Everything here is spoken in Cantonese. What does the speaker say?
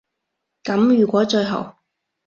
噉如果最後